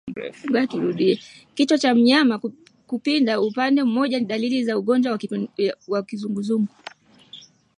Kichwa cha mnyama kupinda upande mmoja ni dalili za ugonjwa wa kizunguzungu